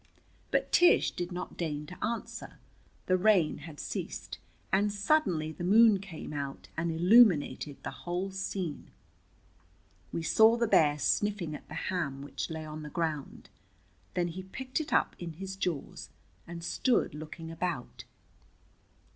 But Tish did not deign to answer. The rain had ceased, and suddenly the moon came out and illuminated the whole scene. We saw the bear sniffing at the ham, which lay on the ground. Then he picked it up in his jaws and stood looking about.